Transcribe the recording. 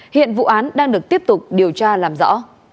hiện vụ án đang được tiếp tục điều tra làm rõ